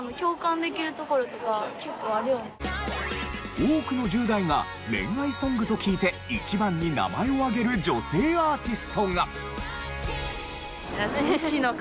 多くの１０代が恋愛ソングと聞いて一番に名前を挙げる女性アーティストが。